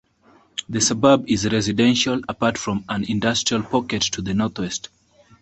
The suburb is residential, apart from an industrial pocket to the northwest.